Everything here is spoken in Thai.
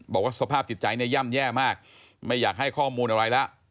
บอกว่าสภาพจิตใจเนี่ยย่ำแย่มากไม่อยากให้ข้อมูลอะไรแล้ว